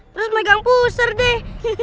terus megang puser deh